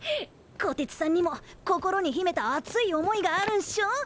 こてつさんにも心にひめた熱い思いがあるんっしょ？